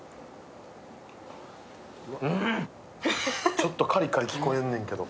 ちょっとカリカリ聞こえんねんけど。